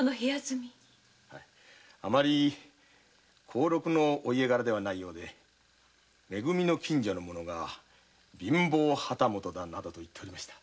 大したお家柄ではないようでめ組の近所の者が「貧乏旗本だ」などと言っておりました。